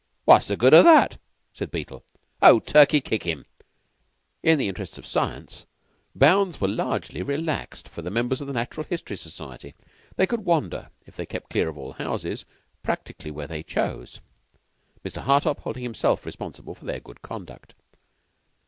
"What's the good of that?" said Beetle. "Oh, Turkey, kick him!" In the interests of science bounds were largely relaxed for the members of the Natural History Society. They could wander, if they kept clear of all houses, practically where they chose; Mr. Hartopp holding himself responsible for their good conduct.